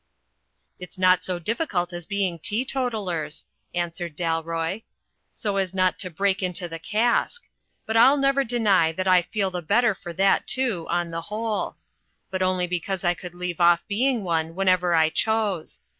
"It's not so difficult as being teetotallers," answered Dalroy, "so as not to break into the cask. But I'll never deny that I feel the better for that, too, on the whole. But only because I could leave off being one whenever I chose.